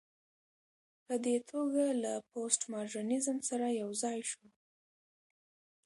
په دې توګه له پوسټ ماډرنيزم سره يوځاى شو